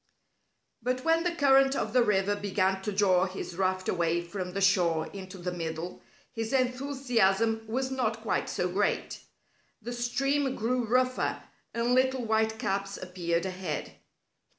But when the current of the river began to draw his raft away from the shore into the middle, his enthusiasm was not quite so great. The stream grew rougher, and little white caps appeared ahead.